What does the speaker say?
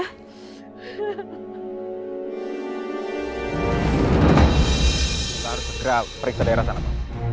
kita harus segera periksa daerah sana mak